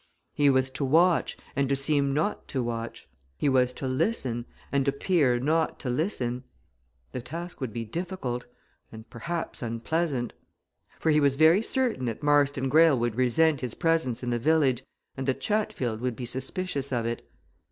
He was to watch and to seem not to watch. He was to listen and appear not to listen. The task would be difficult and perhaps unpleasant. For he was very certain that Marston Greyle would resent his presence in the village, and that Chatfield would be suspicious of it.